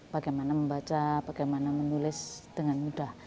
bagaimana membaca bagaimana menulis dengan mudah